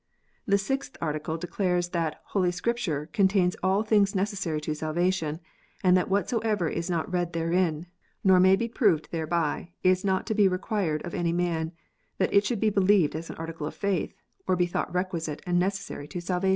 The Sixth Article declares that "Holy Scripture contains all things necessary to salvation, and that whatsoever is not read therein, nor may be proved thereby, is not to be required of any man, that it should be believed as an article of faith, or be thought requisite and necessary to salvation."